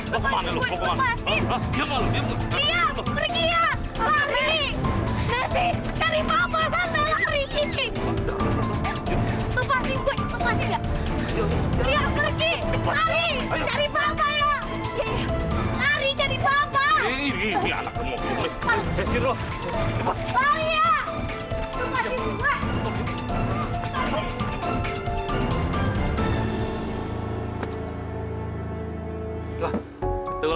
karena hanya engkau lah tempat hamba bersandar